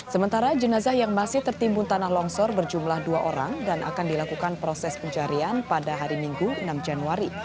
sementara jenazah yang masih tertimbun tanah longsor berjumlah dua orang dan akan dilakukan proses pencarian pada hari minggu enam januari